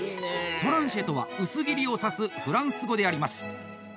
トランシェとは薄切りを指すフランス語であります。